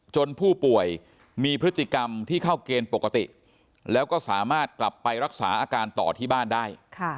ผู้ป่วยมีพฤติกรรมที่เข้าเกณฑ์ปกติแล้วก็สามารถกลับไปรักษาอาการต่อที่บ้านได้